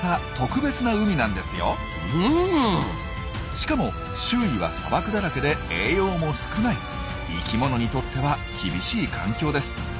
しかも周囲は砂漠だらけで栄養も少ない生きものにとっては厳しい環境です。